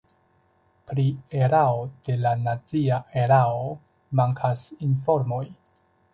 Pri erao de la nazia erao mankas informoj.